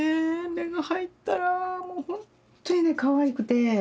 目が入ったらもうほんとにねかわいくて。